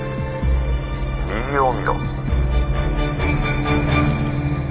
「右を見ろ」。